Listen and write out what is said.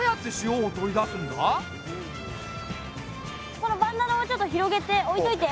そのバンダナをちょっと広げて置いといて。